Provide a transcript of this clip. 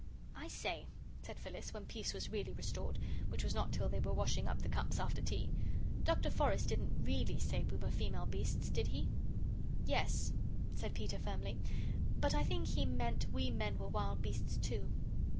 "I say," said Phyllis, when peace was really restored, which was not till they were washing up the cups after tea, "Dr. Forrest didn't REALLY say we were female beasts, did he?" "Yes," said Peter, firmly, "but I think he meant we men were wild beasts, too."